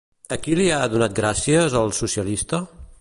A qui li ha donat gràcies el socialista?